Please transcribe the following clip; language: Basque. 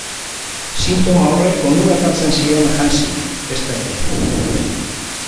Sintoma horrek onura ekartzen zion Hansi, bestalde.